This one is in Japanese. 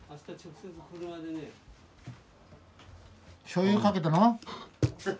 しょうゆかけたの？